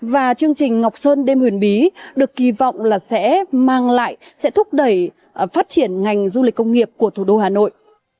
và chương trình ngọc sơn đêm huyền bí được kỳ vọng là sẽ mang lại sẽ thúc đẩy phát triển ngành du lịch công nghiệp của thủ đô hà nội